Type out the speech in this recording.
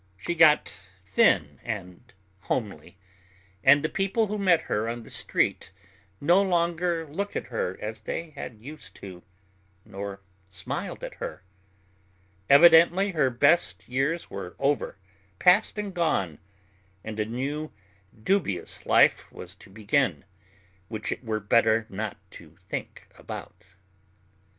She got thin and homely, and the people who met her on the street no longer looked at her as they had used to, nor smiled at her. Evidently her best years were over, past and gone, and a new, dubious life was to begin which it were better not to think about.